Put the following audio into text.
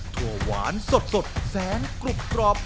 ถั่วหวานสดแสนกรุบกรอบ